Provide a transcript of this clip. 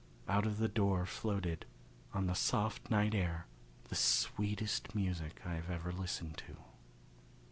Out of the door floated, on the soft night air, the sweetest music I have ever listened to.